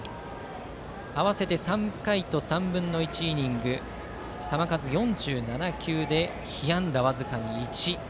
合わせて３回と３分の１イニング球数４７球で被安打僅かに１。